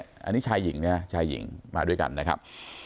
อันนี้ชายหญิงนะชายหญิงมาด้วยกันนะครับ